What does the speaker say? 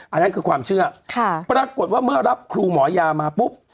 อันนั้นคือความเชื่อปรากฏว่าเมื่อรับครูหมอยามาปุ๊บ